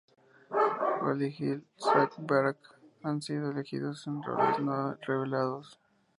Oli Hill y Zack Barack han sido elegidos en roles no revelados.